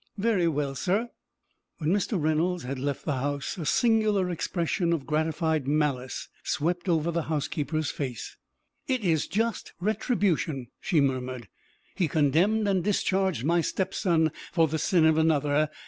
"Very well, sir." When Mr. Reynolds had left the house a singular expression of gratified malice swept over the housekeeper's face. "It is just retribution," she murmured. "He condemned and discharged my stepson for the sin of another.